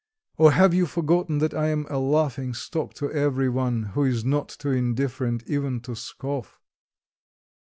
Or have you forgotten that I am a laughing stock to everyone, who is not too indifferent even to scoff?...